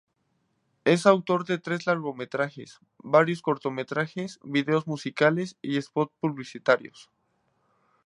Es autor de tres largometrajes, varios cortometrajes, vídeos musicales y spots publicitarios.